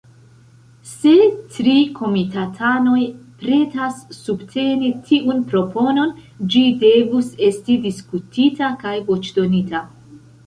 Se tri komitatanoj pretas subteni tiun proponon, ĝi devus esti diskutita kaj voĉdonita.